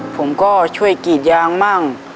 ผมก็ช่วยกรีดยางบ้าง